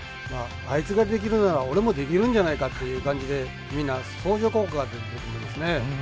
あいつができるなら俺もできるんじゃないかという感じでみんな相乗効果が出てるんですね。